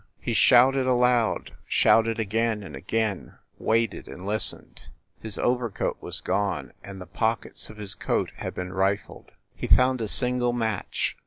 He shouted aloud, shouted again and again, waited and listened. His overcoat was gone, and the pockets of his coat had been rifled. He found a single match.